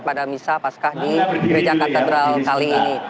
pada misa paskah di gereja katedral kali ini